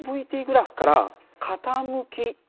ｔグラフから傾き